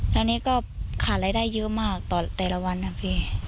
แล้วนี่ก็ขาดรายได้เยอะมากต่อแต่ละวันนะพี่